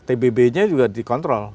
tbb nya juga dikontrol